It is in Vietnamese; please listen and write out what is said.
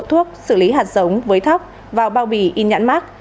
trộn thuốc xử lý hạt giống với thóc vào bao bì in nhãn mát